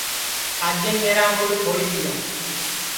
کاجین میرا موڈؔ پھوڑی دؔیا